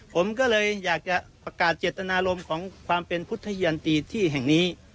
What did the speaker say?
ผมก็เลยอยากจะประกาศเจตนารมณ์ของความเป็นพุทธยันตีที่แห่งนี้